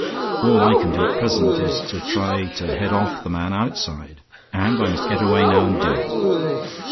All I can do at present is to try to head off the man outside; and I must get away now and do it.